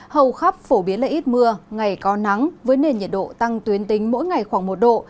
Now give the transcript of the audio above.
hầu khắp phổ biến là ít mưa ngày có nắng với nền nhiệt độ tăng tuyến tính mỗi ngày khoảng một độ